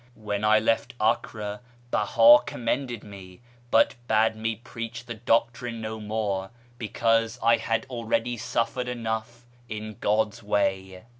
When I left Acre, Beha com mended me, but bade me preach the doctrine no more, because I had already suffered enough in God's way."